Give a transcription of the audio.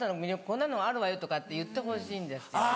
こんなのあるわよ」とかって言ってほしいんですよ。